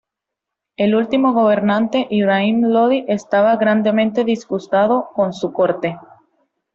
El último gobernante, Ibrahim Lodi, estaba grandemente disgustado con su corte.